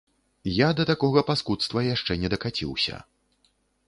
Я да такога паскудства яшчэ не дакаціўся.